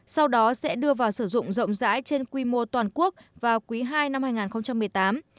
sau đó sẽ đưa vào sử dụng rộng rãi trên quy mô toàn quốc vào quý ii năm hai nghìn một mươi tám